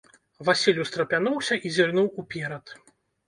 Васіль устрапянуўся і зірнуў уперад.